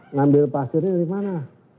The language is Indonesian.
ngambil pasirnya dari mana